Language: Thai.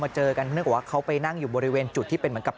เจอกันเนื่องจากว่าเขาไปนั่งอยู่บริเวณจุดที่เป็นเหมือนกับ